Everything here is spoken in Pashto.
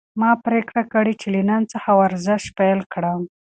ما پریکړه کړې چې له نن څخه ورزش پیل کړم.